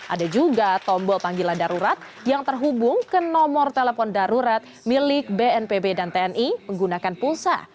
ada juga tombol panggilan darurat yang terhubung ke nomor telepon darurat milik bnpb dan tni menggunakan pulsa